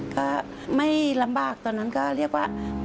ก็ไม่ลำบากตอนนั้นก็เรียกว่า